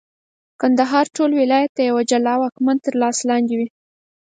کندهار ټول ولایت د یوه جلا واکمن تر لاس لاندي وي.